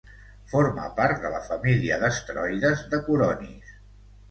Forma part de la família d'asteroides de Coronis.